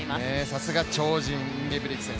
さすが超人インゲブリクセン。